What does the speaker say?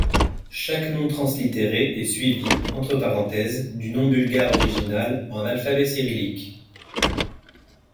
Chaque nom translittéré est suivi, entre parenthèses, du nom bulgare original en alphabet cyrillique.